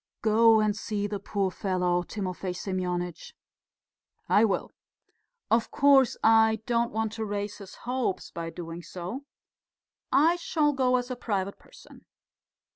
"Go and see the poor fellow, Timofey Semyonitch." "I will. Of course, I don't want to raise his hopes by doing so. I shall go as a private person....